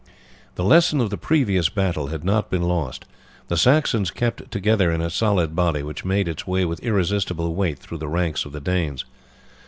The lesson of the previous battle had not been lost, the Saxons kept together in a solid body which made its way with irresistible weight through the ranks of the Danes.